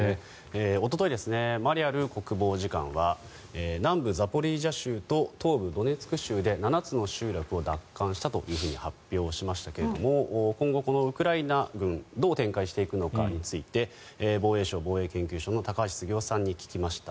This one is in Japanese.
おとといマリャル国防次官は南部ザポリージャ州と東部ドネツク州で７つの集落を奪還したと発表しましたが今後、このウクライナ軍どう展開していくのかについて防衛省防衛研究所の高橋杉雄さんに聞きました。